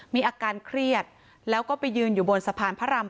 มีอาการเครียดแล้วก็ไปยืนอยู่บนสะพานพระราม